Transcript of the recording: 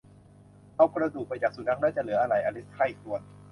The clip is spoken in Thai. เอากระดูกไปจากสุนัข แล้วจะเหลืออะไร อลิสใคร่ครวญ